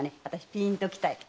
ピーンときたよ。